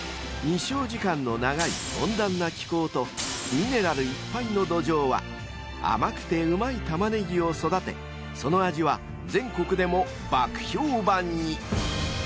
［日照時間の長い温暖な気候とミネラルいっぱいの土壌は甘くてうまいたまねぎを育てその味は全国でも爆評判に］